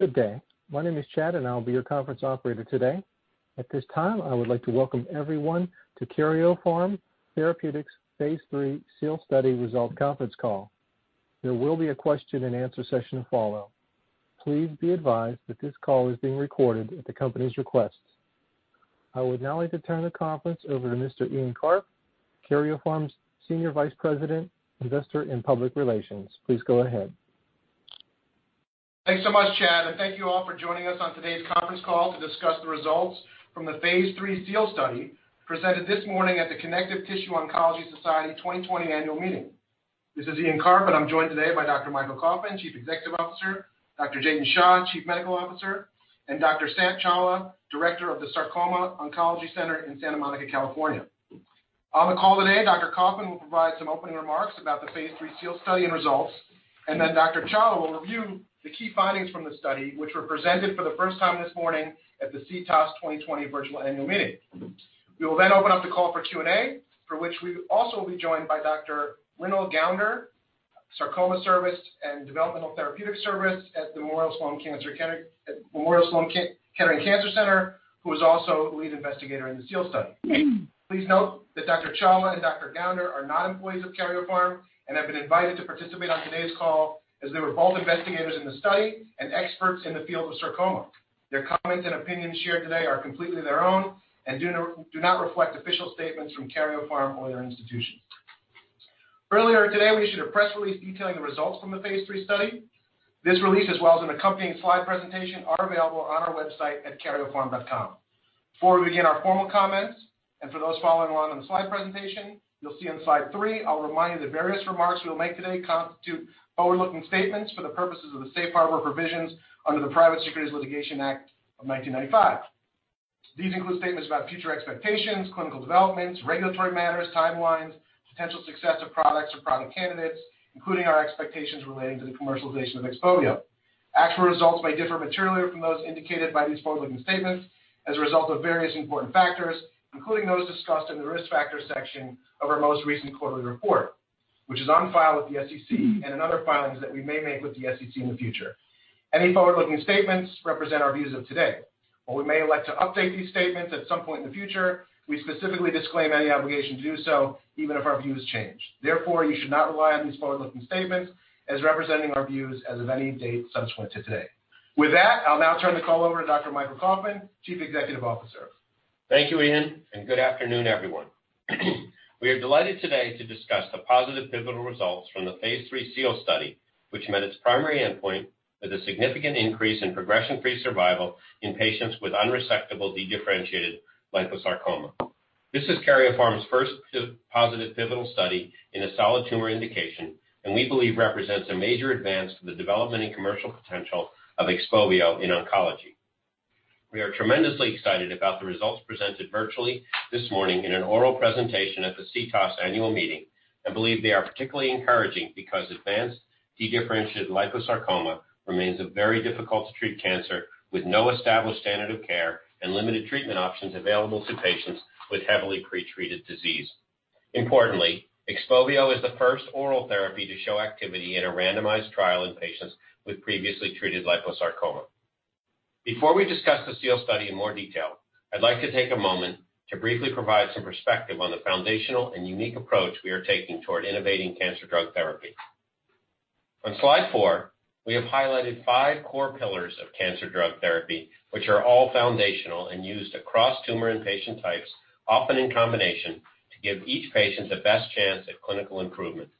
Good day. My name is Chad, and I'll be your conference operator today. At this time, I would like to welcome everyone to Karyopharm Therapeutics phase III SEAL Study Result Conference Call. There will be a question-and-answer session to follow. Please be advised that this call is being recorded at the company's request. I would now like to turn the conference over to Mr. Ian Karp, Karyopharm's Senior Vice President, Investor and Public Relations. Please go ahead. Thanks so much, Chad, and thank you all for joining us on today's conference call to discuss the results from the phase III SEAL study presented this morning at the Connective Tissue Oncology Society 2020 annual meeting. This is Ian Karp, and I'm joined today by Dr. Michael Kauffman, Chief Executive Officer, Dr. Jatin Shah, Chief Medical Officer, and Dr. Sant Chawla, Director of the Sarcoma Oncology Center in Santa Monica, California. On the call today, Dr. Kauffman will provide some opening remarks about the phase III SEAL study and results, and then Dr. Chawla will review the key findings from the study, which were presented for the first time this morning at the CTOS 2020 virtual annual meeting. We will then open up the call for Q&A, for which we will also be joined by Dr. Mrinal Gounder, Sarcoma Service and Developmental Therapeutics Service at Memorial Sloan Kettering Cancer Center, who is also lead investigator in the SEAL study. Please note that Dr. Chawla and Dr. Gounder are not employees of Karyopharm and have been invited to participate on today's call as they were both investigators in the study and experts in the field of sarcoma. Their comments and opinions shared today are completely their own and do not reflect official statements from Karyopharm or their institutions. Earlier today, we issued a press release detailing the results from the phase III study. This release, as well as an accompanying slide presentation, are available on our website at karyopharm.com. Before we begin our formal comments, and for those following along on the slide presentation, you'll see on slide three, I'll remind you that various remarks we'll make today constitute forward-looking statements for the purposes of the safe harbor provisions under the Private Securities Litigation Reform Act of 1995. These include statements about future expectations, clinical developments, regulatory matters, timelines, potential success of products or product candidates, including our expectations relating to the commercialization of XPOVIO. Actual results may differ materially from those indicated by these forward-looking statements as a result of various important factors, including those discussed in the Risk Factors section of our most recent quarterly report, which is on file with the SEC, and in other filings that we may make with the SEC in the future. Any forward-looking statements represent our views of today. While we may elect to update these statements at some point in the future, we specifically disclaim any obligation to do so, even if our views change. Therefore, you should not rely on these forward-looking statements as representing our views as of any date subsequent to today. With that, I'll now turn the call over to Dr. Michael Kauffman, Chief Executive Officer. Thank you, Ian, and good afternoon, everyone. We are delighted today to discuss the positive pivotal results from the phase III SEAL study, which met its primary endpoint with a significant increase in progression-free survival in patients with unresectable dedifferentiated liposarcoma. This is Karyopharm Therapeutics' first positive pivotal study in a solid tumor indication, and we believe represents a major advance to the development and commercial potential of XPOVIO in oncology. We are tremendously excited about the results presented virtually this morning in an oral presentation at the CTOS annual meeting and believe they are particularly encouraging because advanced dedifferentiated liposarcoma remains a very difficult to treat cancer with no established standard of care and limited treatment options available to patients with heavily pretreated disease. Importantly, XPOVIO is the first oral therapy to show activity in a randomized trial in patients with previously treated liposarcoma. Before we discuss the SEAL study in more detail, I'd like to take a moment to briefly provide some perspective on the foundational and unique approach we are taking toward innovating cancer drug therapy. On slide four, we have highlighted five core pillars of cancer drug therapy, which are all foundational and used across tumor and patient types, often in combination, to give each patient the best chance at clinical improvement.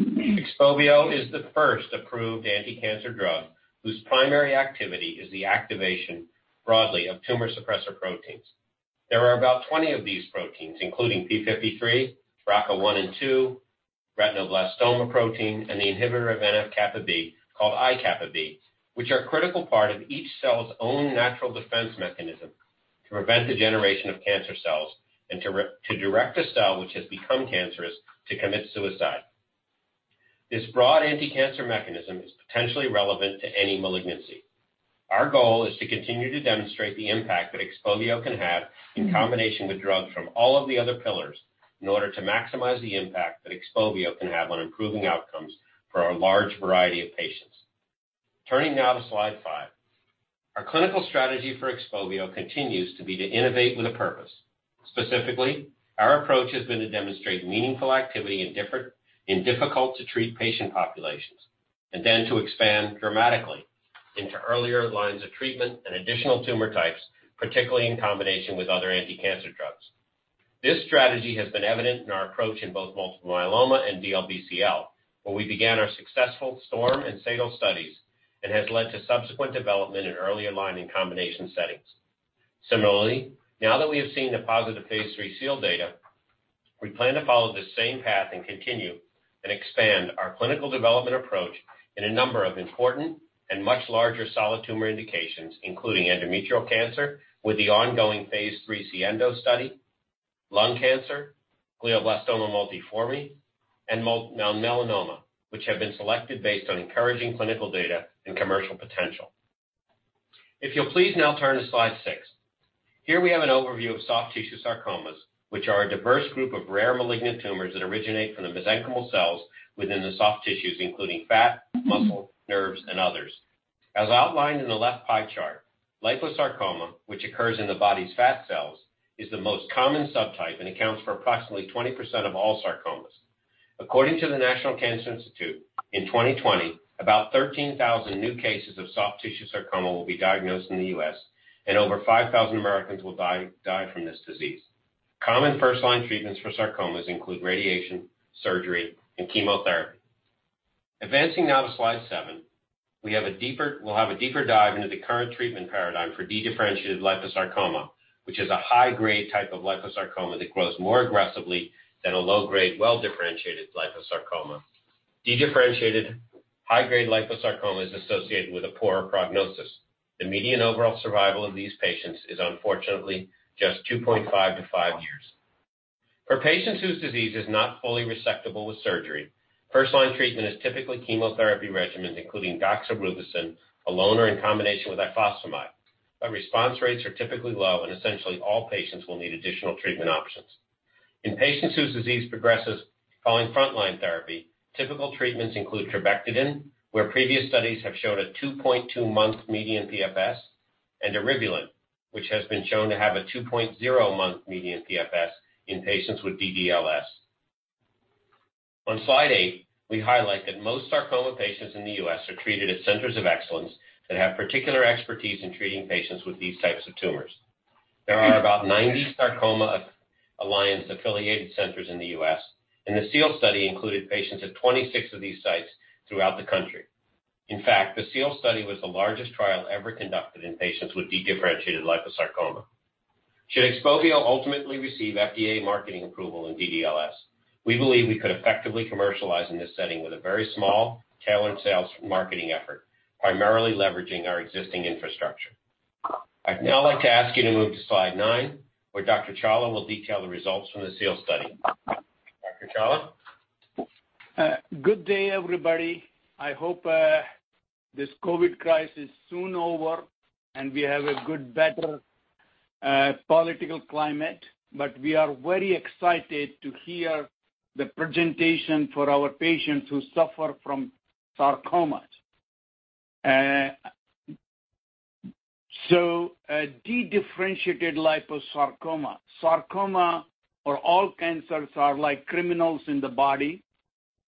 XPOVIO is the first approved anti-cancer drug whose primary activity is the activation broadly of tumor suppressor proteins. There are about 20 of these proteins, including p53, BRCA1 and BRCA2, retinoblastoma protein, and the inhibitor of NF-κB, called IκB, which are a critical part of each cell's own natural defense mechanism to prevent the generation of cancer cells and to direct a cell which has become cancerous to commit suicide. This broad anti-cancer mechanism is potentially relevant to any malignancy. Our goal is to continue to demonstrate the impact that XPOVIO can have in combination with drugs from all of the other pillars in order to maximize the impact that XPOVIO can have on improving outcomes for a large variety of patients. Turning now to slide five. Our clinical strategy for XPOVIO continues to be to innovate with a purpose. Specifically, our approach has been to demonstrate meaningful activity in difficult-to-treat patient populations, and then to expand dramatically into earlier lines of treatment and additional tumor types, particularly in combination with other anti-cancer drugs. This strategy has been evident in our approach in both multiple myeloma and DLBCL, where we began our successful STORM and SADAL studies, and has led to subsequent development in earlier-line in combination settings. Similarly, now that we have seen the positive phase III SEAL data, we plan to follow the same path and continue and expand our clinical development approach in a number of important and much larger solid tumor indications, including endometrial cancer with the ongoing phase III SIENDO study, lung cancer, glioblastoma multiforme, and melanoma, which have been selected based on encouraging clinical data and commercial potential. If you'll please now turn to slide six. Here we have an overview of soft tissue sarcomas, which are a diverse group of rare malignant tumors that originate from the mesenchymal cells within the soft tissues, including fat, muscle, nerves, and others. As outlined in the left pie chart, liposarcoma, which occurs in the body's fat cells, is the most common subtype and accounts for approximately 20% of all sarcomas. According to the National Cancer Institute, in 2020, about 13,000 new cases of soft tissue sarcoma will be diagnosed in the U.S., and over 5,000 Americans will die from this disease. Common first-line treatments for sarcomas include radiation, surgery, and chemotherapy. Advancing now to slide seven, we'll have a deeper dive into the current treatment paradigm for dedifferentiated liposarcoma, which is a high-grade type of liposarcoma that grows more aggressively than a low-grade, well-differentiated liposarcoma. Dedifferentiated high-grade liposarcoma is associated with a poorer prognosis. The median overall survival of these patients is unfortunately just 2.5 years. For patients whose disease is not fully resectable with surgery, first-line treatment is typically chemotherapy regimens including doxorubicin alone or in combination with ifosfamide. Response rates are typically low, and essentially all patients will need additional treatment options. In patients whose disease progresses following frontline therapy, typical treatments include trabectedin, where previous studies have shown a 2.2-month median PFS, and eribulin, which has been shown to have a 2.0-month median PFS in patients with DDLS. On slide eight, we highlight that most sarcoma patients in the U.S. are treated at centers of excellence that have particular expertise in treating patients with these types of tumors. There are about 90 Sarcoma Alliance affiliated centers in the U.S., and the SEAL study included patients at 26 of these sites throughout the country. In fact, the SEAL study was the largest trial ever conducted in patients with dedifferentiated liposarcoma. Should XPOVIO ultimately receive FDA marketing approval in DDLS, we believe we could effectively commercialize in this setting with a very small sales marketing effort, primarily leveraging our existing infrastructure. I'd now like to ask you to move to slide nine, where Dr. Chawla will detail the results from the SEAL study. Dr. Chawla? Good day, everybody. I hope this COVID crisis soon over and we have a good, better political climate, but we are very excited to hear the presentation for our patients who suffer from sarcomas. Dedifferentiated liposarcoma. Sarcoma or all cancers are like criminals in the body,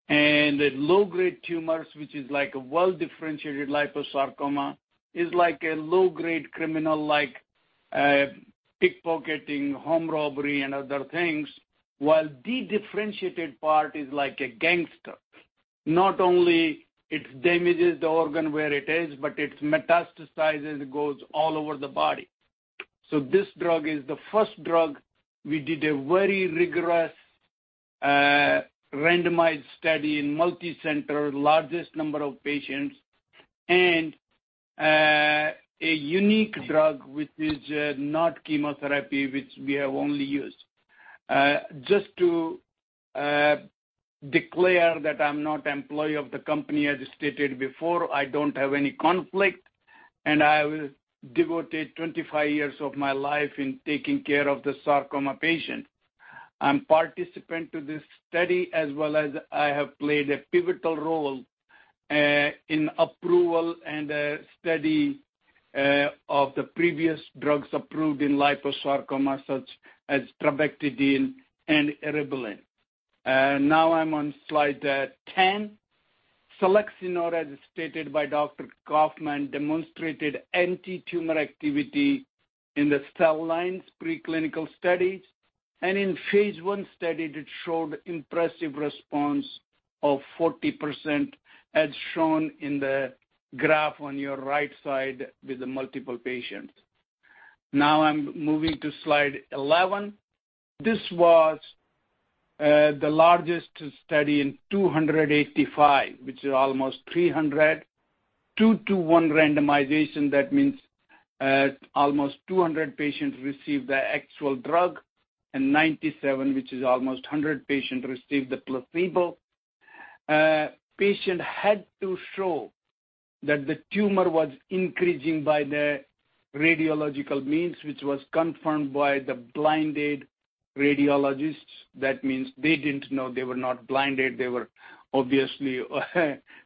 and the low-grade tumors, which is like a well-differentiated liposarcoma, is like a low-grade criminal, like pickpocketing, home robbery, and other things. While dedifferentiated part is like a gangster. Not only it damages the organ where it is, but it metastasizes, it goes all over the body. This drug is the first drug. We did a very rigorous randomized study in multicenter, largest number of patients, and a unique drug which is not chemotherapy, which we have only used. Just to declare that I'm not employee of the company as stated before, I don't have any conflict, and I will devote the 25 years of my life in taking care of the sarcoma patient. I'm participant to this study as well as I have played a pivotal role in approval and study of the previous drugs approved in liposarcoma, such as trabectedin and eribulin. I'm on slide 10. selinexor, as stated by Dr. Kauffman, demonstrated anti-tumor activity in the cell lines preclinical studies, and in phase I study, it showed impressive response of 40%, as shown in the graph on your right side with the multiple patients. I'm moving to slide 11. This was the largest study in 285, which is almost 300, two-one randomization. That means almost 200 patients received the actual drug, and 97, which is almost 100 patient, received the placebo. Patient had to show that the tumor was increasing by the radiological means, which was confirmed by the blinded radiologists. That means they didn't know they were not blinded. They were obviously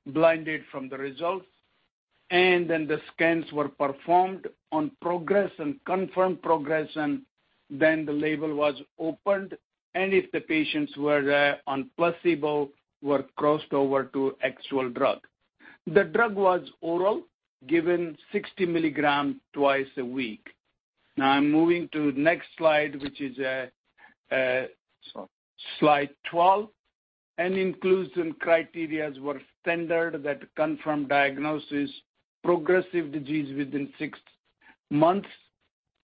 blinded from the results. The scans were performed on progression and confirmed progression. The label was opened, and if the patients were on placebo, were crossed over to actual drug. The drug was oral, given 60 mg twice a week. I'm moving to next slide, which is slide 12. Inclusion criteria were standard that confirmed diagnosis, progressive disease within six months,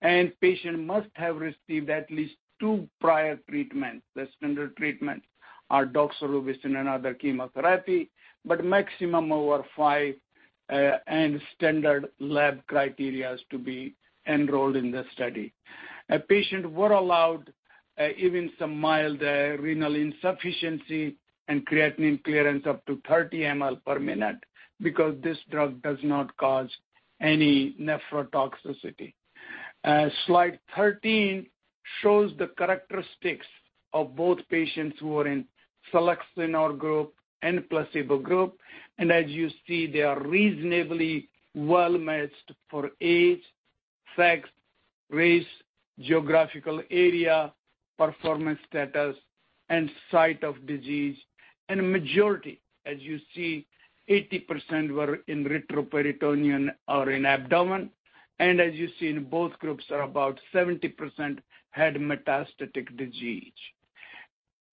and patient must have received at least two prior treatment. The standard treatment are doxorubicin and other chemotherapy, but maximum over five, and standard lab criteria to be enrolled in the study. A patient were allowed even some mild renal insufficiency and creatinine clearance up to 30 ml per minute because this drug does not cause any nephrotoxicity. Slide 13 shows the characteristics of both patients who are in selinexor group and placebo group. As you see, they are reasonably well-matched for age, sex, race, geographical area, performance status, and site of disease. Majority, as you see, 80% were in retroperitoneum or in abdomen. As you see, in both groups are about 70% had metastatic disease.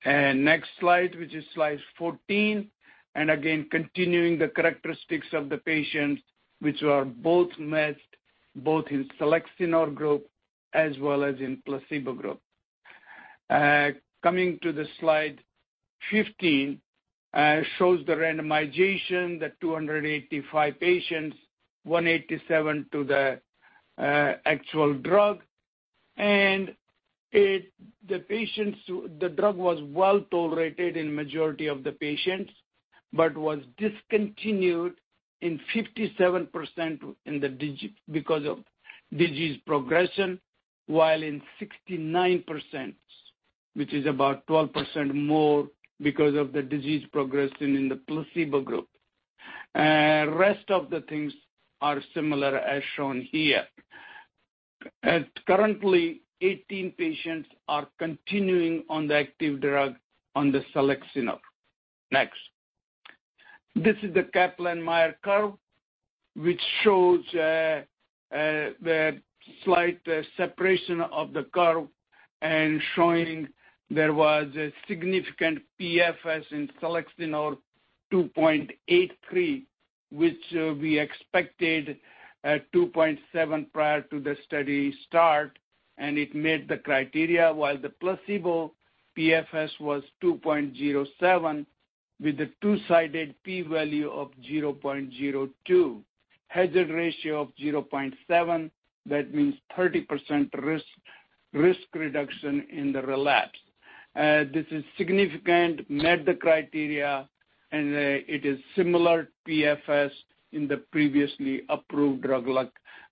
Next slide, which is slide 14. Again, continuing the characteristics of the patients which are both matched both in selinexor group as well as in placebo group. Coming to the slide 15, shows the randomization, the 285 patients, 187 to the actual drug. The drug was well-tolerated in majority of the patients but was discontinued in 57% because of disease progression, while in 69%, which is about 12% more because of the disease progression in the placebo group. Rest of the things are similar as shown here. Currently, 18 patients are continuing on the active drug on the selinexor. Next. This is the Kaplan-Meier curve, which shows the slight separation of the curve and showing there was a significant PFS in selinexor 2.83, which we expected at 2.7 prior to the study start, and it met the criteria, while the placebo PFS was 2.07 with a two-sided P value of 0.02. Hazard ratio of 0.7, that means 30% risk reduction in the relapse. This is significant, met the criteria, and it is similar PFS in the previously approved drug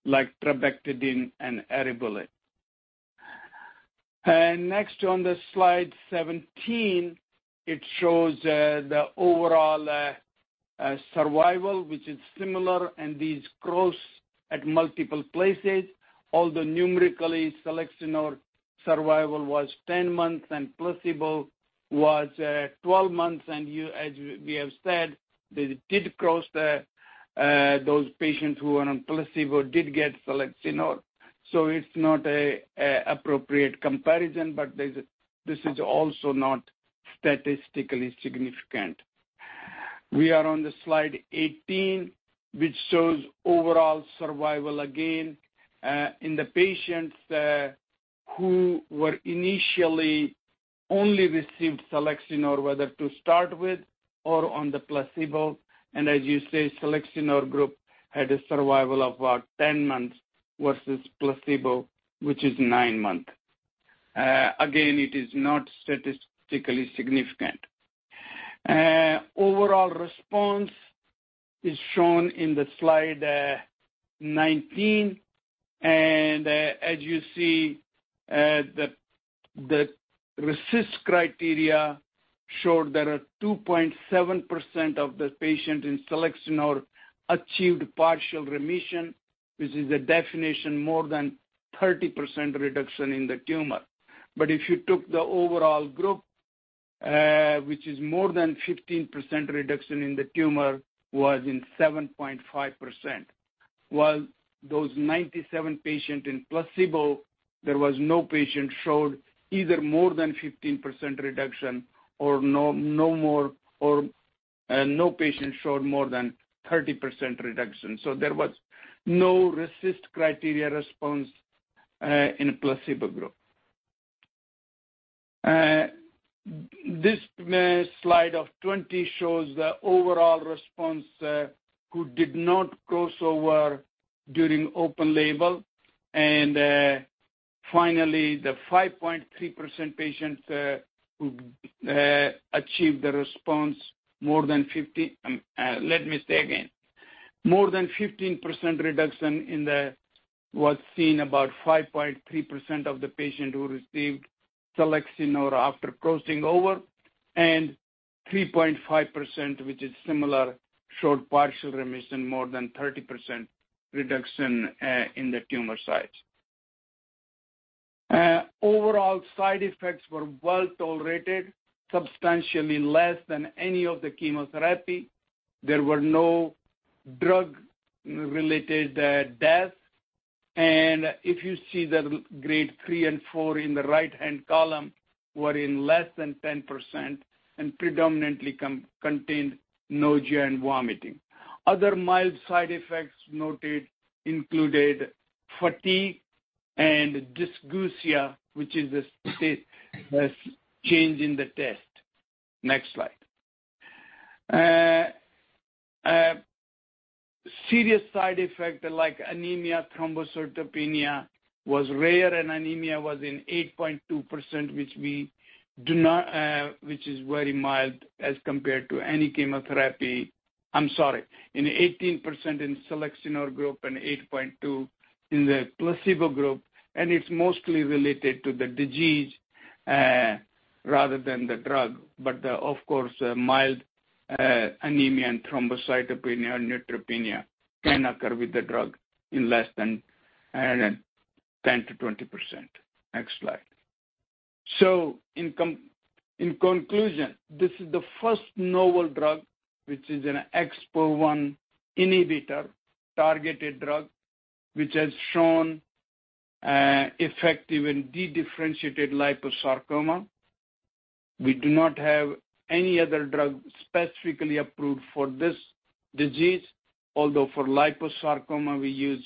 like trabectedin and eribulin. Next on slide 17, it shows the overall survival, which is similar. These cross at multiple places, although numerically selinexor survival was 10 months and placebo was 12 months. As we have said, those patients who were on placebo did get selinexor, so it is not appropriate comparison. This is also not statistically significant. We are on slide 18, which shows overall survival again in the patients who initially only received selinexor, whether to start with or on the placebo. As you see, selinexor group had a survival of about 10 months versus placebo, which is nine months. Again, it is not statistically significant. Overall response is shown on slide 19. As you see, the RECIST criteria showed there are 2.7% of the patients in selinexor achieved partial remission, which is a definition of more than 30% reduction in the tumor. If you took the overall group, which is more than 15% reduction in the tumor was in 7.5%, while those 97 patient in placebo, there was no patient showed either more than 15% reduction or no patient showed more than 30% reduction. There was no RECIST criteria response in placebo group. This slide of 20 shows the overall response who did not crossover during open label. Finally, the 5.3% patients who achieved the response Let me say again. More than 15% reduction was seen about 5.3% of the patient who received selinexor after crossing over, and 3.5%, which is similar, showed partial remission, more than 30% reduction in the tumor size. Overall side effects were well-tolerated, substantially less than any of the chemotherapy. There were no drug-related deaths. If you see the Grade 3 and 4 in the right-hand column were in less than 10% and predominantly contained nausea and vomiting. Other mild side effects noted included fatigue and dysgeusia, which is a change in the taste. Next slide. Serious side effects like anemia, thrombocytopenia was rare, and anemia was in 18% in selinexor group and 8.2% in the placebo group, and it's mostly related to the disease rather than the drug. Of course, mild anemia and thrombocytopenia or neutropenia can occur with the drug in less than 10%-20%. Next slide. In conclusion, this is the first novel drug, which is an XPO1 inhibitor targeted drug, which has shown effective in dedifferentiated liposarcoma. We do not have any other drug specifically approved for this disease, although for liposarcoma we use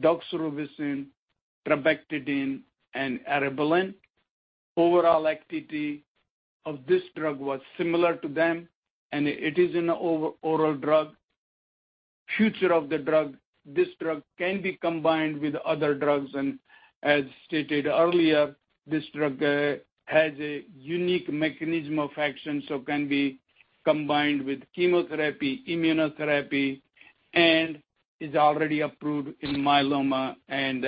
doxorubicin, trabectedin, and eribulin. Overall activity of this drug was similar to them, and it is an oral drug. Future of the drug, this drug can be combined with other drugs and as stated earlier, this drug has a unique mechanism of action, can be combined with chemotherapy, immunotherapy, and is already approved in myeloma and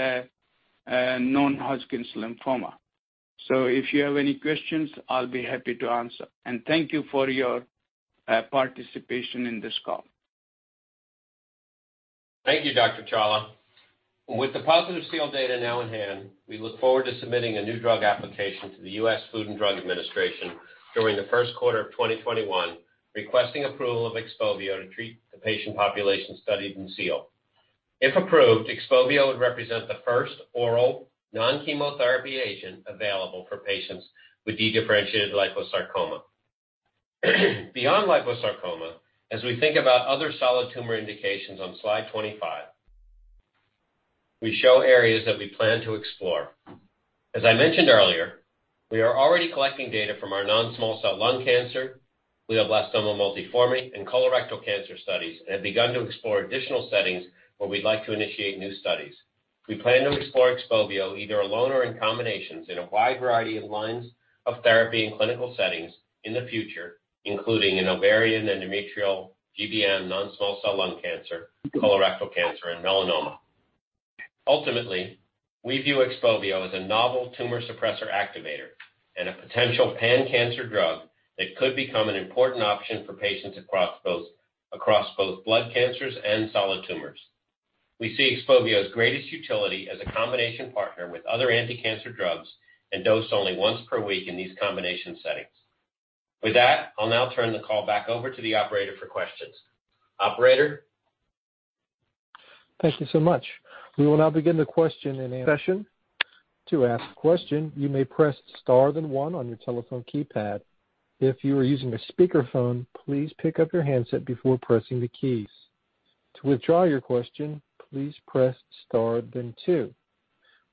non-Hodgkin's lymphoma. If you have any questions, I'll be happy to answer. Thank you for your participation in this call. Thank you, Dr. Chawla. With the positive SEAL data now in hand, we look forward to submitting a New Drug Application to the U.S. Food and Drug Administration during the Q1 of 2021, requesting approval of XPOVIO to treat the patient population studied in SEAL. If approved, XPOVIO would represent the first oral non-chemotherapy agent available for patients with dedifferentiated liposarcoma. Beyond liposarcoma, as we think about other solid tumor indications on slide 25, we show areas that we plan to explore. As I mentioned earlier, we are already collecting data from our non-small cell lung cancer, glioblastoma multiforme, and colorectal cancer studies and have begun to explore additional settings where we'd like to initiate new studies. We plan to explore XPOVIO either alone or in combinations in a wide variety of lines of therapy and clinical settings in the future, including in ovarian, endometrial, GBM, non-small cell lung cancer, colorectal cancer, and melanoma. Ultimately, we view XPOVIO as a novel tumor suppressor activator and a potential pan-cancer drug that could become an important option for patients across both blood cancers and solid tumors. We see XPOVIO's greatest utility as a combination partner with other anticancer drugs and dosed only once per week in these combination settings. With that, I'll now turn the call back over to the operator for questions. Operator? Thank you so much. We will now begin the question-and-answer session. To ask a question, you may press star then one on your telephone keypad. If you are using a speakerphone, please pick up your handset before pressing the keys. To withdraw your question, please press star then two.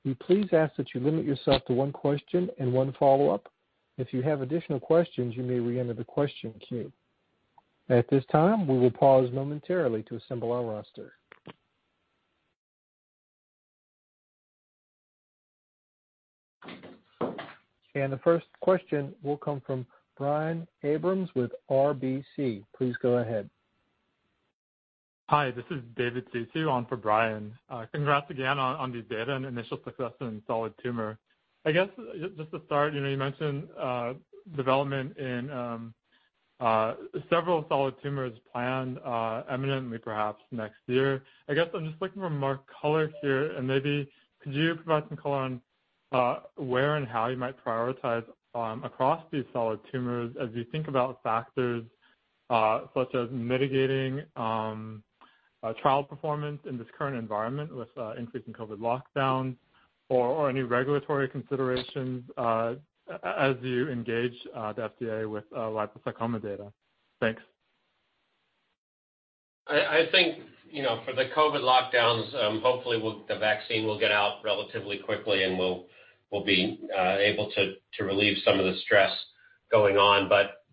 We please ask that you limit yourself to one question and one follow-up. If you have additional questions, you may reenter the question queue. At this time, we will pause momentarily to assemble our roster. The first question will come from Brian Abrahams with RBC. Please go ahead. Hi, this is David Sisu on for Brian. Congrats again on the data and initial success in solid tumor. I guess just to start, you mentioned development in several solid tumors planned imminently perhaps next year. I guess I'm just looking for more color here, and maybe could you provide some color on where and how you might prioritize across these solid tumors as you think about factors such as mitigating trial performance in this current environment with increasing COVID lockdowns or any regulatory considerations as you engage the FDA with liposarcoma data? Thanks. I think for the COVID lockdowns, hopefully the vaccine will get out relatively quickly, and we'll be able to relieve some of the stress going on.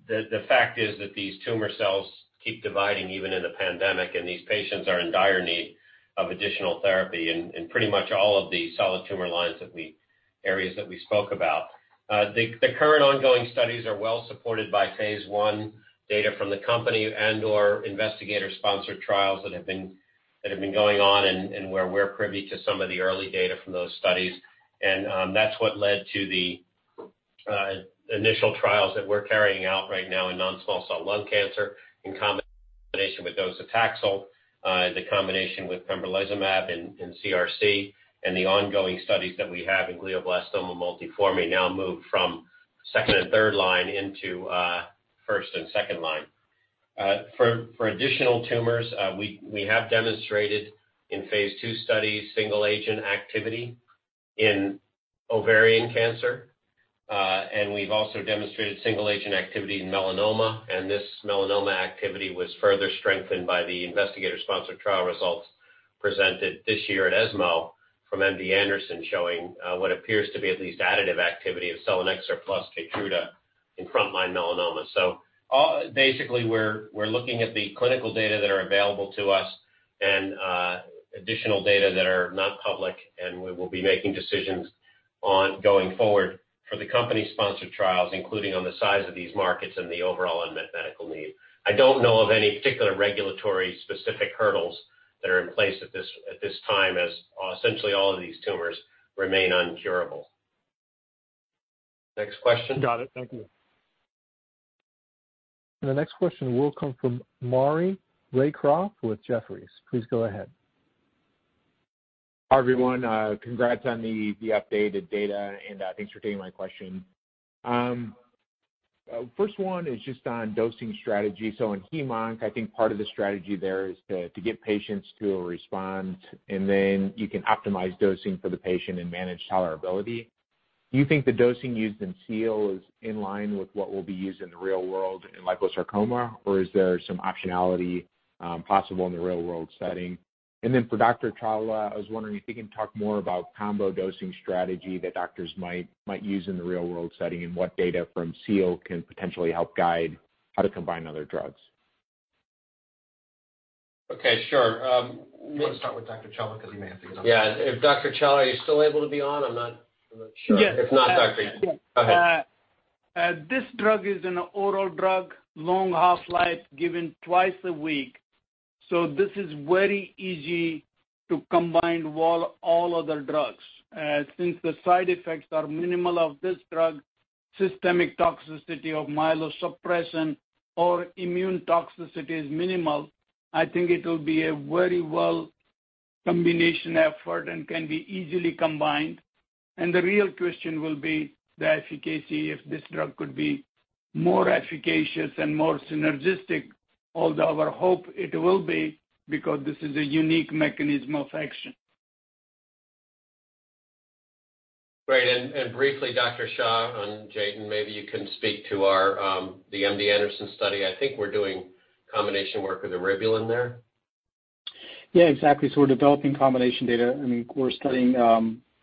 The fact is that these tumor cells keep dividing even in a pandemic, and these patients are in dire need of additional therapy in pretty much all of the solid tumor lines of the areas that we spoke about. The current ongoing studies are well supported by phase I data from the company and/or Investigator-Sponsored Trials that have been going on and where we're privy to some of the early data from those studies. That's what led to the initial trials that we're carrying out right now in non-small cell lung cancer in combination with docetaxel, the combination with pembrolizumab in CRC, and the ongoing studies that we have in glioblastoma multiforme may now move from second and third line into first and second line. For additional tumors, we have demonstrated in phase II studies single-agent activity in ovarian cancer, and we've also demonstrated single-agent activity in melanoma, and this melanoma activity was further strengthened by the investigator-sponsored trial results presented this year at ESMO from MD Anderson, showing what appears to be at least additive activity of selinexor plus KEYTRUDA in frontline melanoma. Basically, we're looking at the clinical data that are available to us and additional data that are not public, and we will be making decisions on going forward for the company-sponsored trials, including on the size of these markets and the overall unmet medical need. I don't know of any particular regulatory specific hurdles that are in place at this time as essentially all of these tumors remain incurable. Next question? Got it. Thank you. The next question will come from Maury Raycroft with Jefferies. Please go ahead. Hi, everyone. Congrats on the updated data. Thanks for taking my question. First one is just on dosing strategy. In hemonc, I think part of the strategy there is to get patients to respond and then you can optimize dosing for the patient and manage tolerability. Do you think the dosing used in SEAL is in line with what will be used in the real world in liposarcoma or is there some optionality possible in the real-world setting? For Dr. Chawla, I was wondering if he can talk more about combo dosing strategy that doctors might use in the real-world setting and what data from SEAL can potentially help guide how to combine other drugs. Okay, sure. We'll start with Dr. Chawla because he may have things on- Yeah. If Dr. Chawla, are you still able to be on? I'm not sure. Yes. If not, Dr. go ahead. This drug is an oral drug, long half-life, given twice a week, this is very easy to combine with all other drugs. Since the side effects are minimal of this drug, systemic toxicity of myelosuppression or immune toxicity is minimal. I think it'll be a very well combination effort and can be easily combined, the real question will be the efficacy, if this drug could be more efficacious and more synergistic, our hope it will be because this is a unique mechanism of action. Briefly, Dr. Shah, and Jatin Shah, maybe you can speak to the MD Anderson study. I think we're doing combination work with eribulin there. Yeah, exactly. We're developing combination data and we're studying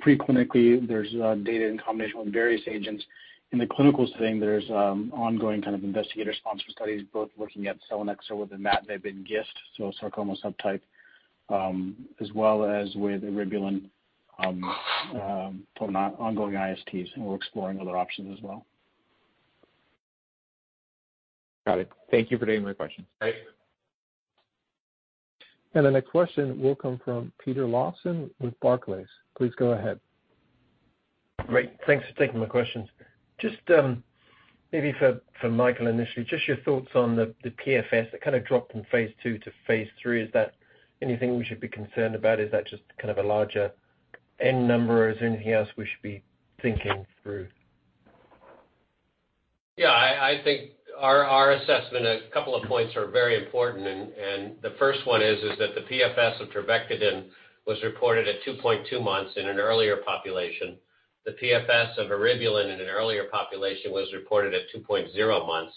preclinically. There's data in combination with various agents. In the clinical setting, there's ongoing kind of investigator-sponsored studies both looking at Selinexor within that, GIST, so sarcoma subtype, as well as with eribulin for ongoing ISTs. We're exploring other options as well. Got it. Thank you for taking my questions. Thank you. The next question will come from Peter Lawson with Barclays. Please go ahead. Great. Thanks for taking my questions. Just maybe for Michael initially, just your thoughts on the PFS that kind of dropped from phase II-phase III. Is that anything we should be concerned about? Is that just kind of a larger end number? Is there anything else we should be thinking through? I think our assessment, a couple of points are very important. The first one is that the PFS of trabectedin was reported at 2.2 months in an earlier population. The PFS of eribulin in an earlier population was reported at 2.0 months.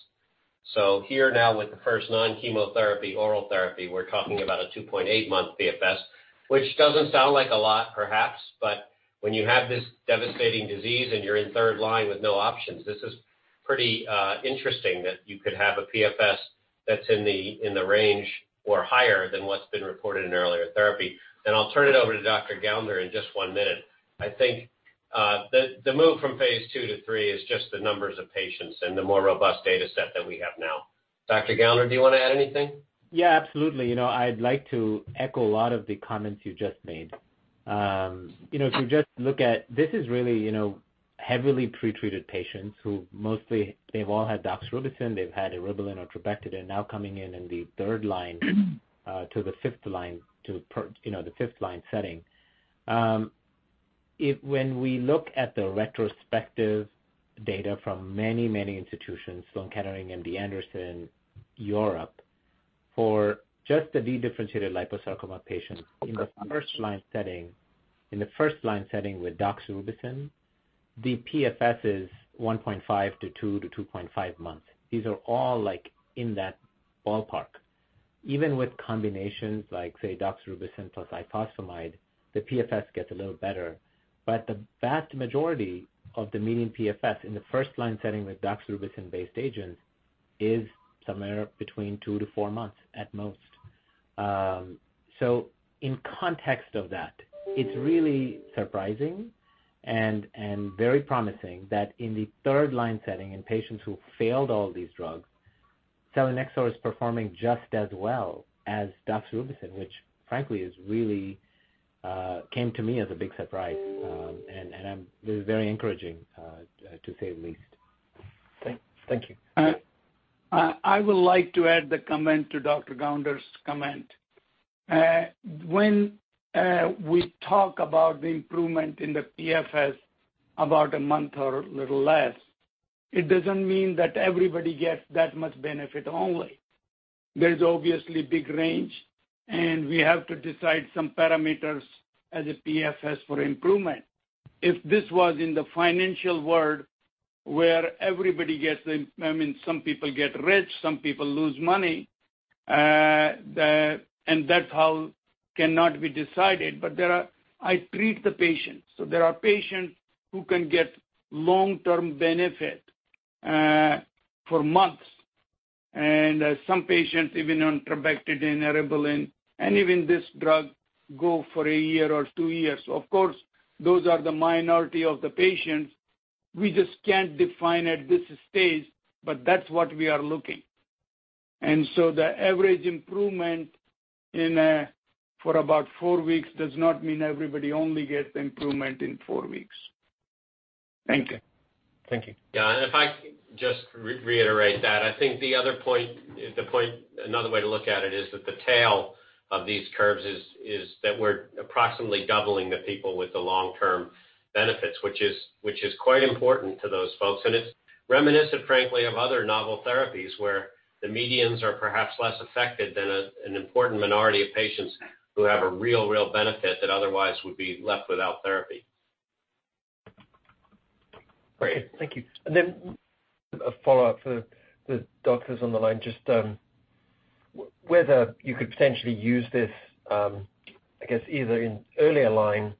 Here now with the first non-chemotherapy oral therapy, we're talking about a 2.8 month PFS, which doesn't sound like a lot perhaps. When you have this devastating disease and you're in third line with no options, this is pretty interesting that you could have a PFS that's in the range or higher than what's been reported in earlier therapy. I'll turn it over to Dr. Gounder in just one minute. I think the move from phase II to III is just the numbers of patients and the more robust data set that we have now. Dr. Gounder, do you want to add anything? Yeah, absolutely. I'd like to echo a lot of the comments you just made. If you just look at, this is really heavily pretreated patients who mostly they've all had doxorubicin, they've had eribulin or trabectedin, now coming in in the third line to the fifth line setting. When we look at the retrospective data from many, many institutions, Sloan Kettering, MD Anderson, Europe, for just the dedifferentiated liposarcoma patients in the first line setting with doxorubicin, the PFS is 1.5-two-2.5 months. These are all in that ballpark. Even with combinations like, say, doxorubicin plus ifosfamide, the PFS gets a little better, but the vast majority of the median PFS in the first line setting with doxorubicin-based agent is somewhere between two-four months at most. In context of that, it's really surprising and very promising that in the third line setting in patients who failed all these drugs, Selinexor is performing just as well as doxorubicin, which frankly came to me as a big surprise. It was very encouraging, to say the least. Thank you. I would like to add the comment to Dr. Gounder's comment. When we talk about the improvement in the PFS about a month or a little less, it doesn't mean that everybody gets that much benefit only. There is obviously big range. We have to decide some parameters as a PFS for improvement. If this was in the financial world where everybody gets, some people get rich, some people lose money, and that cannot be decided. I treat the patients. There are patients who can get long-term benefit for months, and some patients, even on trabectedin, eribulin, and even this drug, go for a year or two years. Of course, those are the minority of the patients. We just can't define at this stage, but that's what we are looking. The average improvement for about four weeks does not mean everybody only gets improvement in four weeks. Thank you. Thank you. Yeah, if I could just reiterate that. I think the other point, another way to look at it is that the tail of these curves is that we're approximately doubling the people with the long-term benefits, which is quite important to those folks. It's reminiscent, frankly, of other novel therapies where the medians are perhaps less affected than an important minority of patients who have a real benefit that otherwise would be left without therapy. Great. Thank you. Then a follow-up for the doctors on the line, just whether you could potentially use this, I guess, either in earlier line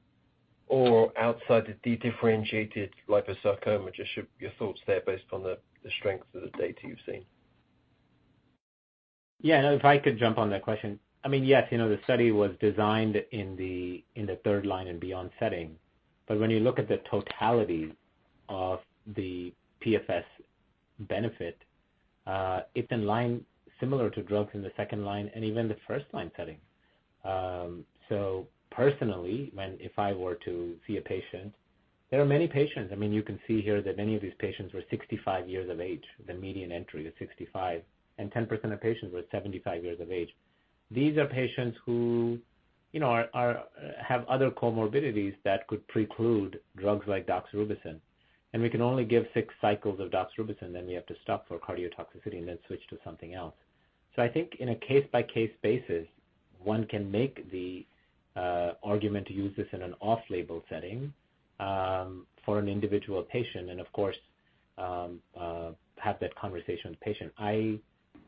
or outside the dedifferentiated liposarcoma, just your thoughts there based on the strength of the data you've seen. Yeah, no, if I could jump on that question. Yes, the study was designed in the third line and beyond setting. When you look at the totality of the PFS benefit, it's in line similar to drugs in the second line and even the first-line setting. Personally, if I were to see a patient, there are many patients. You can see here that many of these patients were 65 years of age. The median entry is 65, and 10% of patients were 75 years of age. These are patients who have other comorbidities that could preclude drugs like doxorubicin. We can only give six cycles of doxorubicin, then we have to stop for cardiotoxicity and then switch to something else. I think on a case-by-case basis, one can make the argument to use this in an off-label setting for an individual patient and, of course, have that conversation with the patient. I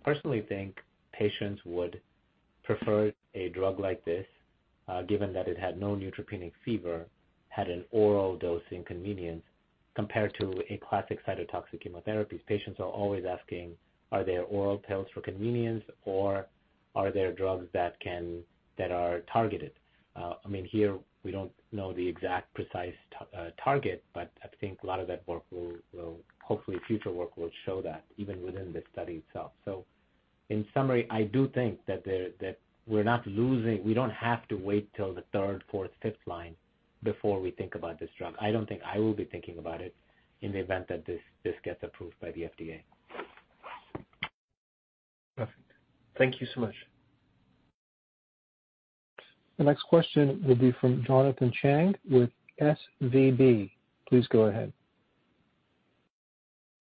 personally think patients would prefer a drug like this, given that it had no neutropenic fever, had an oral dosing convenience compared to a classic cytotoxic chemotherapy. Patients are always asking, "Are there oral pills for convenience, or are there drugs that are targeted?" Here, we don't know the exact precise target, but I think a lot of that work will hopefully, future work will show that even within the study itself. In summary, I do think that We don't have to wait till the third, fourth, fifth line before we think about this drug. I don't think I will be thinking about it in the event that this gets approved by the FDA. Perfect. Thank you so much. The next question will be from Jonathan Chang with SVB. Please go ahead.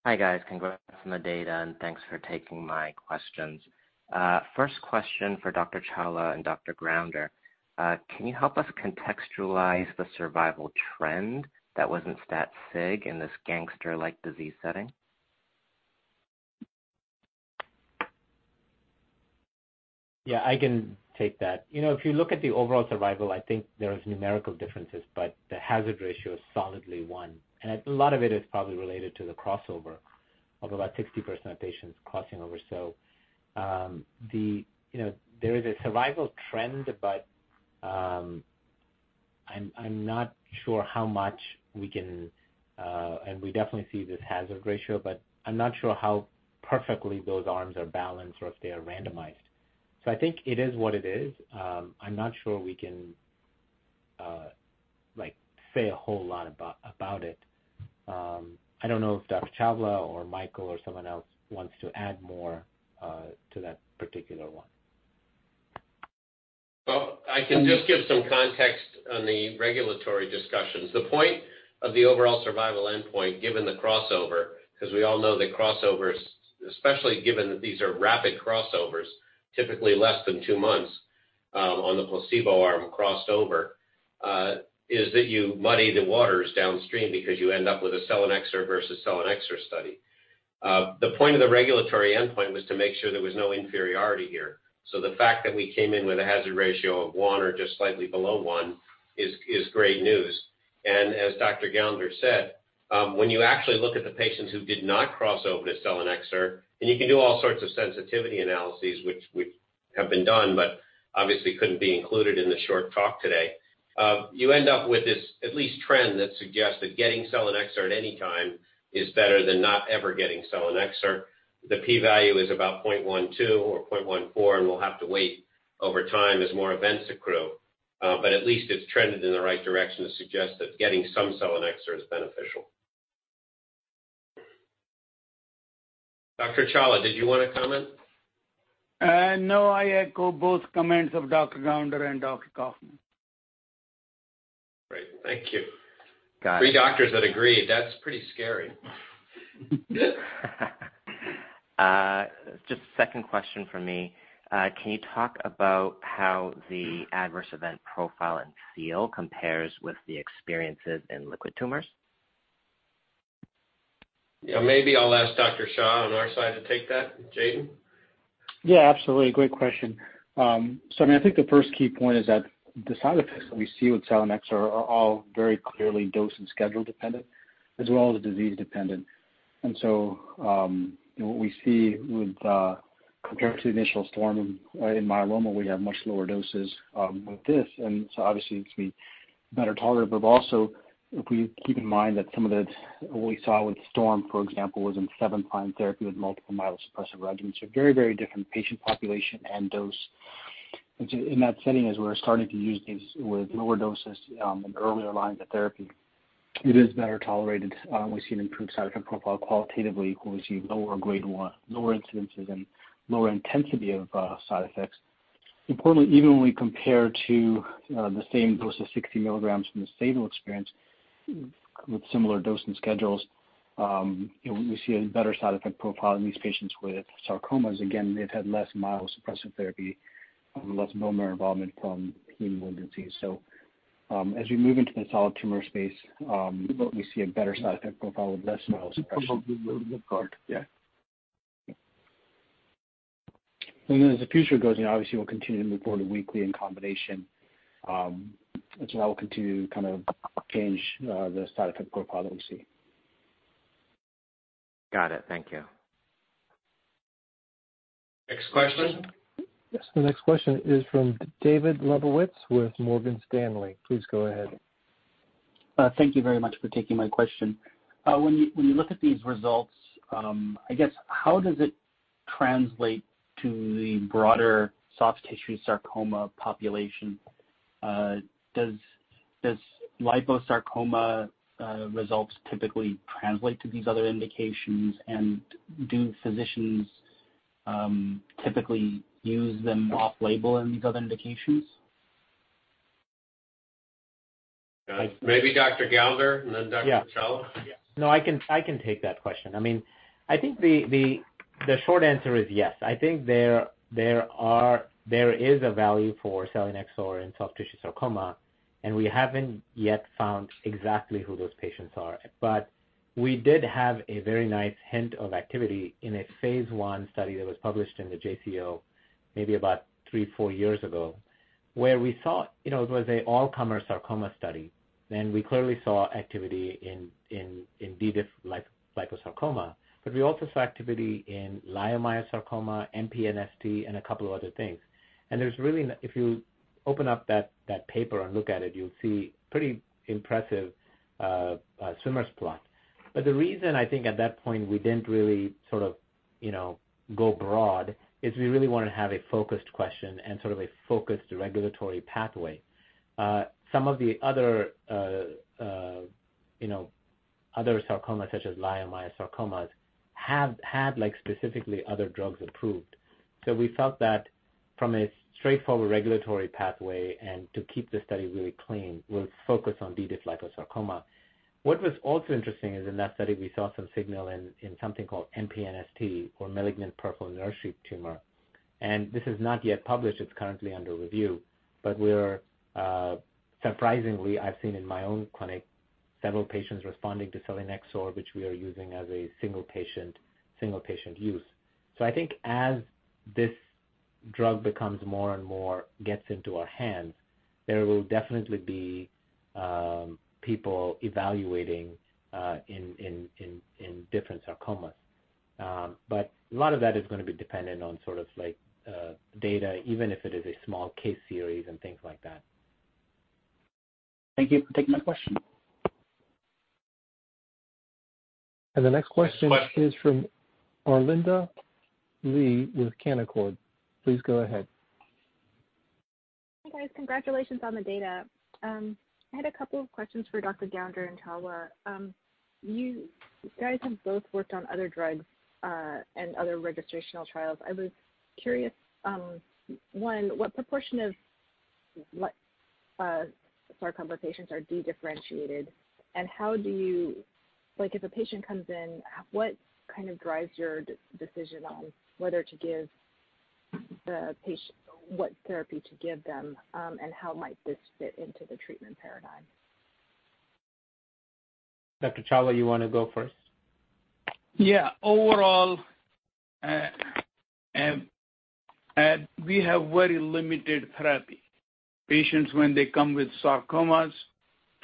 Hi, guys. Congrats on the data, and thanks for taking my questions. First question for Dr. Chawla and Dr. Gounder. Can you help us contextualize the survival trend that was in stat sig in this GIST-like disease setting? Yeah, I can take that. If you look at the overall survival, I think there is numerical differences, but the hazard ratio is solidly one. A lot of it is probably related to the crossover of about 60% of patients crossing over. There is a survival trend, but I'm not sure how much we can, and we definitely see this hazard ratio, but I'm not sure how perfectly those arms are balanced or if they are randomized. I think it is what it is. I'm not sure we can say a whole lot about it. I don't know if Dr. Chawla or Michael or someone else wants to add more to that particular one. Well, I can just give some context on the regulatory discussions. The point of the overall survival endpoint, given the crossover, because we all know that crossovers, especially given that these are rapid crossovers, typically less than two months on the placebo arm crossed over, is that you muddy the waters downstream because you end up with a selinexor versus selinexor study. The point of the regulatory endpoint was to make sure there was no inferiority here. The fact that we came in with a hazard ratio of one or just slightly below one is great news. As Dr. Gounder said, when you actually look at the patients who did not cross over to selinexor, and you can do all sorts of sensitivity analyses, which have been done but obviously couldn't be included in the short talk today, you end up with this at least trend that suggests that getting selinexor at any time is better than not ever getting selinexor. The P value is about 0.12 or 0.14, and we'll have to wait over time as more events accrue. At least it's trended in the right direction to suggest that getting some selinexor is beneficial. Dr. Chawla, did you want to comment? No, I echo both comments of Dr. Gounder and Dr. Kauffman. Great. Thank you. Got it. Three doctors that agree. That's pretty scary. Second question from me. Can you talk about how the adverse event profile in SEAL compares with the experiences in liquid tumors? Yeah. Maybe I'll ask Dr. Shah on our side to take that. Jatin? Yeah, absolutely. Great question. I think the first key point is that the side effects that we see with selinexor are all very clearly dose and schedule dependent, as well as disease dependent. What we see with compared to initial STORM in myeloma, we have much lower doses with this, and so obviously it's going to be better tolerated. If we keep in mind that some of what we saw with STORM, for example, was in seven prior therapy with multiple myelosuppressive regimens. Very different patient population and dose, which in that setting, as we're starting to use these with lower doses in earlier lines of therapy, it is better tolerated. We see an improved side effect profile qualitatively where we see lower Grade 1, lower incidences and lower intensity of side effects. Importantly, even when we compare to the same dose of 60 mg from the SEAL experience with similar dosing schedules, we see a better side effect profile in these patients with sarcomas. They've had less myelosuppressive therapy, less bone marrow involvement from heme malignancies. As we move into the solid tumor space, we see a better side effect profile with less myelosuppression. Yeah. As the future goes, obviously we'll continue to move more to weekly in combination, and so that will continue to kind of change the side effect profile that we see. Got it. Thank you. Next question. The next question is from David Lebowitz with Morgan Stanley. Please go ahead. Thank you very much for taking my question. When you look at these results, I guess, how does it translate to the broader soft tissue sarcoma population? Does liposarcoma results typically translate to these other indications, and do physicians typically use them off-label in these other indications? Maybe Dr. Gounder and then Dr. Chawla. Yeah. No, I can take that question. I think the short answer is yes. I think there is a value for selinexor in soft tissue sarcoma, and we haven't yet found exactly who those patients are. We did have a very nice hint of activity in a phase I study that was published in the JCO maybe about three, four years ago, where we saw it was a all-comer sarcoma study, and we clearly saw activity in D-diff liposarcoma. We also saw activity in leiomyosarcoma, MPNST, and a couple of other things. If you open up that paper and look at it, you'll see pretty impressive swimmers plot. The reason I think at that point we didn't really sort of go broad is we really want to have a focused question and sort of a focused regulatory pathway. Some of the other sarcoma, such as leiomyosarcomas, have had specifically other drugs approved. We felt that from a straightforward regulatory pathway and to keep the study really clean, we'll focus on d-diff liposarcoma. What was also interesting is in that study, we saw some signal in something called MPNST or malignant peripheral nerve sheath tumor. This is not yet published, it's currently under review. Surprisingly, I've seen in my own clinic several patients responding to selinexor, which we are using as a single patient use. I think as this drug becomes more and more gets into our hands, there will definitely be people evaluating in different sarcomas. A lot of that is going to be dependent on sort of data, even if it is a small case series and things like that. Thank you for taking my question. The next question is from Arlinda Lee with Canaccord. Please go ahead. Hi, guys. Congratulations on the data. I had a couple of questions for Dr. Gounder and Chawla. You guys have both worked on other drugs and other registrational trials. I was curious, one, what proportion of sarcoma patients are dedifferentiated? If a patient comes in, what kind of drives your decision on what therapy to give them, and how might this fit into the treatment paradigm? Dr. Chawla, you want to go first? Yeah. Overall, we have very limited therapy. Patients when they come with sarcomas,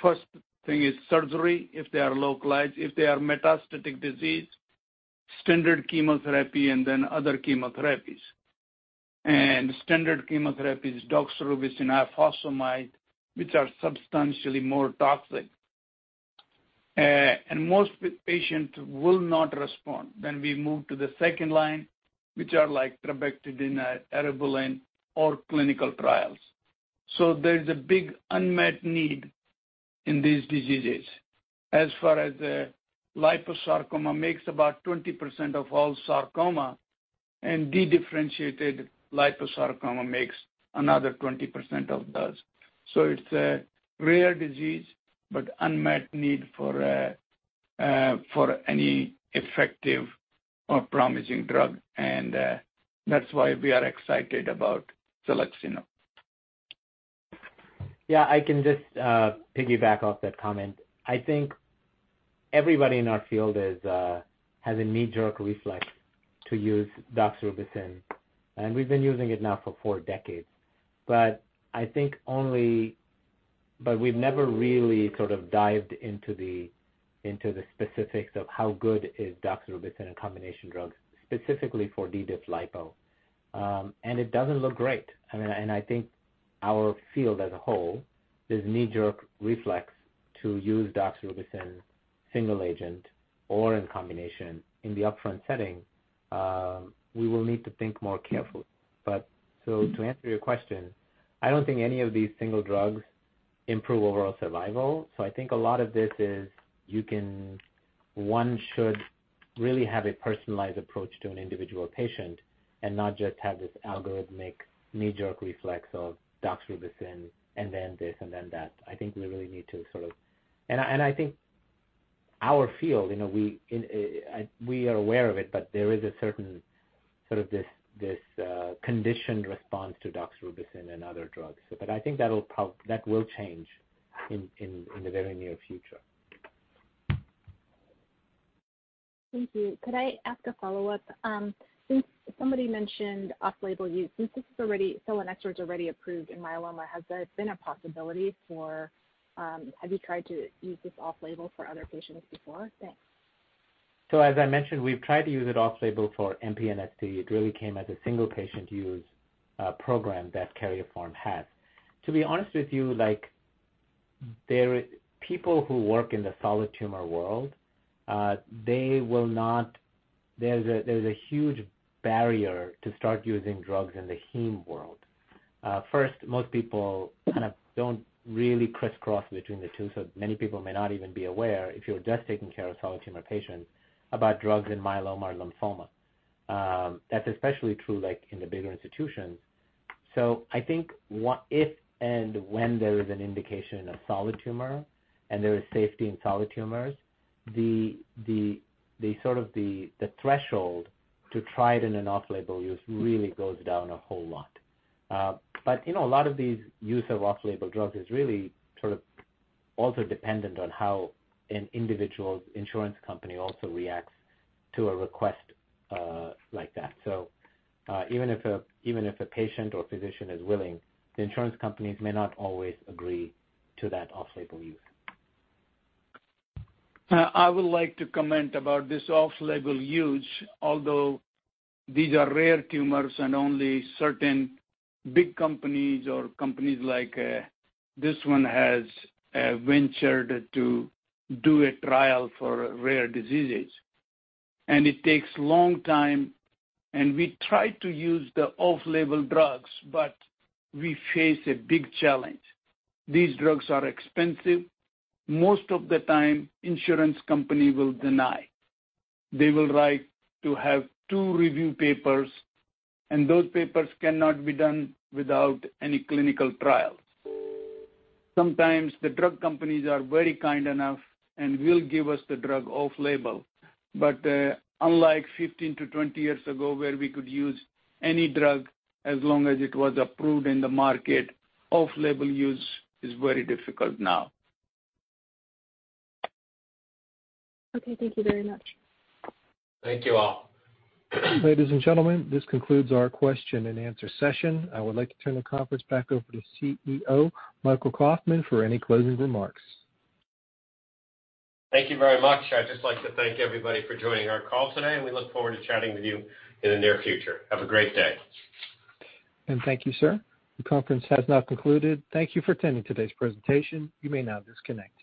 first thing is surgery if they are localized. If they are metastatic disease, standard chemotherapy and then other chemotherapies. Standard chemotherapy is doxorubicin and liposomal, which are substantially more toxic. Most patients will not respond. We move to the second line, which are like trabectedin, eribulin or clinical trials. There is a big unmet need in these diseases. As far as the liposarcoma makes about 20% of all sarcoma Dedifferentiated liposarcoma makes another 20% of those. It's a rare disease, but unmet need for any effective or promising drug. That's why we are excited about selinexor. Yeah, I can just piggyback off that comment. I think everybody in our field has a knee-jerk reflex to use doxorubicin, and we've been using it now for four decades. We've never really dived into the specifics of how good is doxorubicin in combination drugs, specifically for de-diff lipo. It doesn't look great. I think our field as a whole, this knee-jerk reflex to use doxorubicin single agent or in combination in the upfront setting, we will need to think more carefully. To answer your question, I don't think any of these single drugs improve overall survival. I think a lot of this is one should really have a personalized approach to an individual patient and not just have this algorithmic knee-jerk reflex of doxorubicin, and then this and then that. I think our field, we are aware of it, but there is a certain sort of this conditioned response to doxorubicin and other drugs. I think that will change in the very near future. Thank you. Could I ask a follow-up? Since somebody mentioned off-label use, since selinexor is already approved in myeloma, have you tried to use this off-label for other patients before? Thanks. As I mentioned, we've tried to use it off label for MPNST. It really came as a single patient use program that Karyopharm has. To be honest with you, people who work in the solid tumor world, there's a huge barrier to start using drugs in the heme world. First, most people kind of don't really crisscross between the two, many people may not even be aware if you're just taking care of solid tumor patients about drugs in myeloma or lymphoma. That's especially true in the bigger institutions. I think if and when there is an indication in a solid tumor and there is safety in solid tumors, the threshold to try it in an off-label use really goes down a whole lot. A lot of these use of off-label drugs is really also dependent on how an individual's insurance company also reacts to a request like that. Even if a patient or physician is willing, the insurance companies may not always agree to that off-label use. I would like to comment about this off-label use. Although these are rare tumors and only certain big companies or companies like this one has ventured to do a trial for rare diseases. It takes a long time, and we try to use the off-label drugs, but we face a big challenge. These drugs are expensive. Most of the time, insurance company will deny. They will write to have two review papers, and those papers cannot be done without any clinical trials. Sometimes the drug companies are very kind enough and will give us the drug off label. Unlike 15-20 years ago, where we could use any drug as long as it was approved in the market, off-label use is very difficult now. Okay. Thank you very much. Thank you all. Ladies and gentlemen, this concludes our question-and-answer session. I would like to turn the conference back over to CEO, Michael Kauffman, for any closing remarks. Thank you very much. I'd just like to thank everybody for joining our call today, and we look forward to chatting with you in the near future. Have a great day. Thank you, sir. The conference has now concluded. Thank you for attending today's presentation. You may now disconnect.